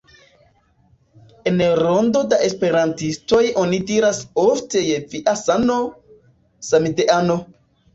En rondo da esperantistoj oni diras ofte "je via sano, samideano"